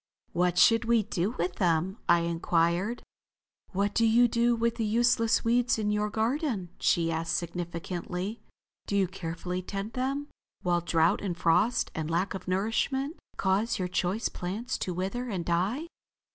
"What should we do with them?" I inquired. "What do you do with the useless weeds in your garden," she asked significantly. "Do you carefully tend them, while drouth and frost and lack of nourishment cause your choice plants to wither and die?"